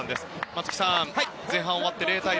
松木さん前半が終わって０対０。